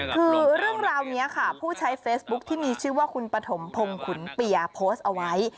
คือเรื่องราวนี้ค่ะผู้ใช้เฟซบุ๊คที่มีชื่อว่าคุณปฐมพงศ์ขุนเปียโพสต์เอาไว้